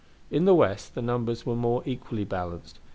In the West the numbers were more equally balanced.